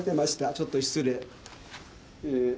ちょっと失礼。